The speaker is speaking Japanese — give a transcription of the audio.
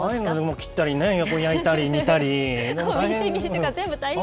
切ったりね、焼いたり、煮たり、いろいろ大変。